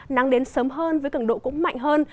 nắng đến sớm hơn với cứng độ cũng mạnh hơn